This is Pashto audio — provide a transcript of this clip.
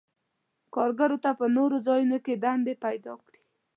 کارګرو ته په نورو ځایونو کې دندې پیداکړي.